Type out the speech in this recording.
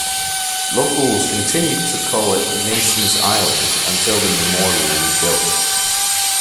Locals continued to call it "Mason's Island" until the memorial was built.